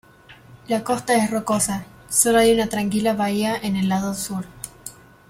La costa es rocosa, sólo hay una tranquila bahía en el lado sur.